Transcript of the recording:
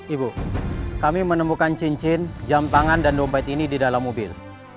ibu kami menemukan cincin jam tangan dan dompet ini di dalam mobil